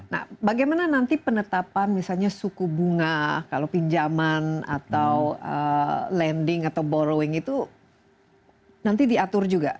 nah bagaimana nanti penetapan misalnya suku bunga kalau pinjaman atau landing atau borrowing itu nanti diatur juga